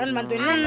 mat bantuin nendang